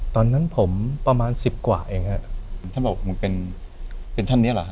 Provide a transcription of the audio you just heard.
ตอนนั้นผมประมาณสิบกว่าเองฮะท่านบอกมึงเป็นเป็นท่านเนี้ยเหรอ